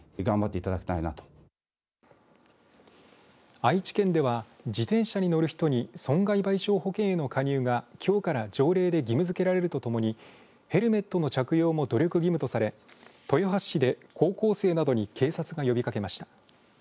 愛知県では自転車に乗る人に損害賠償保険への加入がきょうから条例で義務づけられるとともにヘルメットの着用も努力義務とされ豊橋市で高校生などに警察が呼びかけました。